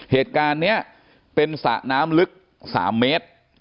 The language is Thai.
เหตุการณ์นี้เป็นสระน้ำลึก๓เมตร